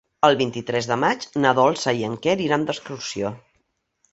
El vint-i-tres de maig na Dolça i en Quer iran d'excursió.